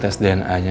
ternyata dia ngajak